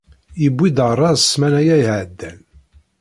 Yewwi-d arraz ssmana-ya iɛeddan.